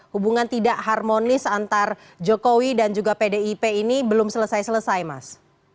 hubungan tidak harmonis antar jokowi dan juga pdip ini belum selesai selesai mas